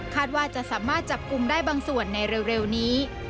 ว่าจะสามารถจับกลุ่มได้บางส่วนในเร็วนี้